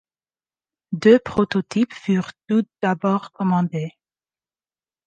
Deux prototypes furent tout d'abord commandés.